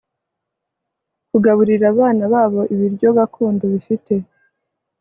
kugaburira abana babo ibiryo gakondo bifite